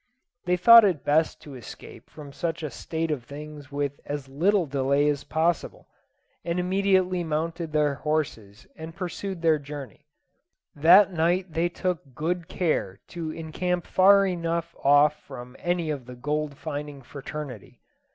They thought it best to escape from such a state of things with as little delay as possible, and immediately mounted their horses and pursued their journey. That night they took good care to encamp far enough off from any of the gold finding fraternity.